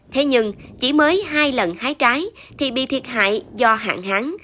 thế nhưng chỉ mới hai lần hái trái thì bị thiệt hại do hạn hán